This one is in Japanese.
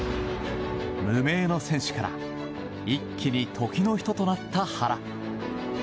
無名の選手から一気に時の人となった原。